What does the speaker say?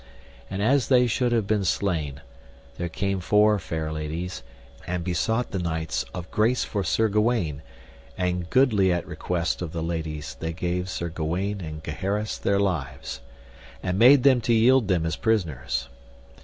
And as they should have been slain, there came four fair ladies, and besought the knights of grace for Sir Gawaine; and goodly at request of the ladies they gave Sir Gawaine and Gaheris their lives, and made them to yield them as prisoners.